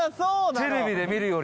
テレビで見るより。